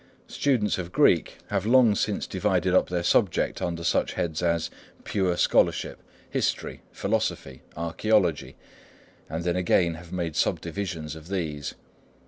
Students of Greek have long since divided up their subject under such heads as pure scholarship, history, philosophy, archæology, and then again have made subdivisions of these.